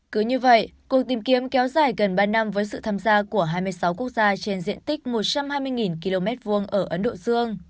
cứ như vậy cuộc tìm kiếm kéo dài gần ba năm với sự tham gia của hai mươi sáu quốc gia trên diện tích một trăm hai mươi km hai ở ấn độ dương